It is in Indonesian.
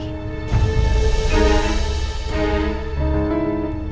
gak ada apa apa